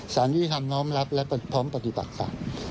สารยุทธรรมน้องรับและพร้อมปฏิบัติค่ะ